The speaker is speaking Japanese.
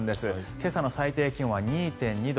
今朝の最低気温は２．２度。